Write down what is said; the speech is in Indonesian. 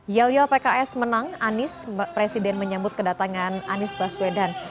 yel yel pks menang anies presiden menyambut kedatangan anies baswedan